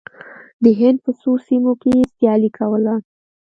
د هند په څو سیمو کې سیالي کوله.